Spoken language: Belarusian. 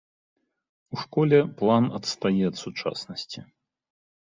У школе план адстае ад сучаснасці.